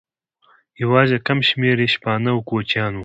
یواځې کم شمېر یې شپانه او کوچیان وو.